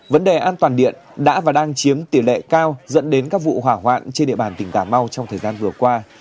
vấn đề an toàn điện đã và đang chiếm tỷ lệ cao dẫn đến các vụ hỏa hoạn trên địa bàn tỉnh cà mau trong thời gian vừa qua